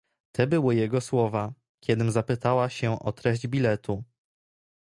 "te były jego słowa, kiedym zapytała się o treść biletu."